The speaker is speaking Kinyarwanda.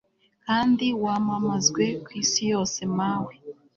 kandi wamamazwe, ku isi yose mawe